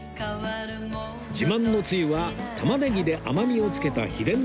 自慢のつゆは玉ねぎで甘みをつけた秘伝の味